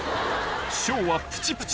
小はプチプチ